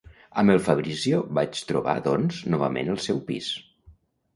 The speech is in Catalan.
Amb el Fabrizio vaig trobar, doncs, novament el seu pis.